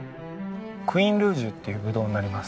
クイーンルージュっていうぶどうになります。